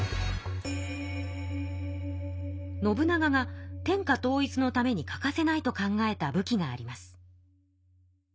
信長が天下統一のために欠かせないと考えた武器があります。